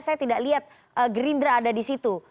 saya tidak lihat gerindra ada di situ